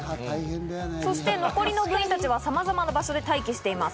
そして残りの部員たちは様々な場所で待機しています。